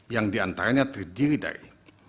yang diantaranya terdiri dari